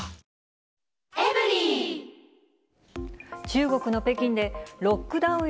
中国の北京で、ロックダウン